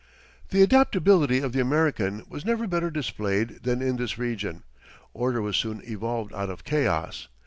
The adaptability of the American was never better displayed than in this region. Order was soon evolved out of chaos.